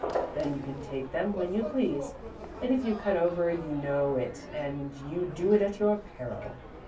Then you can take them when you please, and if you cut over you know it and you do it at your peril.